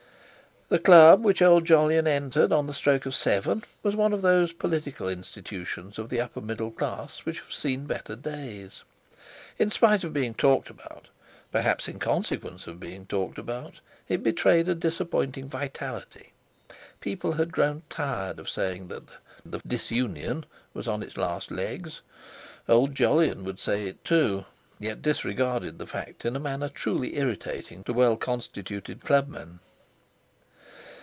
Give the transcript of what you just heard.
The Club which old Jolyon entered on the stroke of seven was one of those political institutions of the upper middle class which have seen better days. In spite of being talked about, perhaps in consequence of being talked about, it betrayed a disappointing vitality. People had grown tired of saying that the "Disunion" was on its last legs. Old Jolyon would say it, too, yet disregarded the fact in a manner truly irritating to well constituted Clubmen.